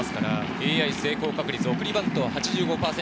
ＡＩ成功確率、送りバントは８５％。